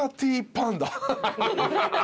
パンダ。